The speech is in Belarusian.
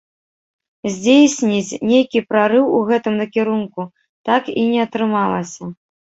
Здзейсніць нейкі прарыў у гэтым накірунку так і не атрымалася.